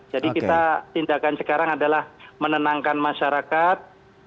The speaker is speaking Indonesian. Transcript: jadi kita tindakan sekarang adalah menenangkan masyarakat